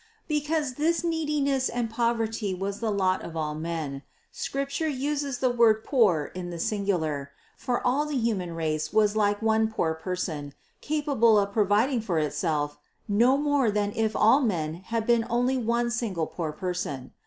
Because this neediness and poverty was the lot of all men, Scripture uses the 40 602 CITY OF GOD word "poor" in the singular; for all the human race was like one poor person, capable of providing for itself no more than if all men had been only one single poor person.